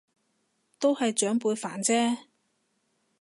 都係長輩煩啫